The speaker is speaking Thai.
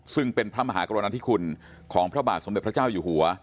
ซึ่งเป็นพระมหากรณาธิคุณของพระบาทสมเด็จพระเจ้าอยู่หัว